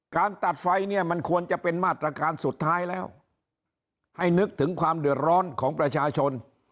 ตัดไฟเนี่ยมันควรจะเป็นมาตรการสุดท้ายแล้วให้นึกถึงความเดือดร้อนของประชาชน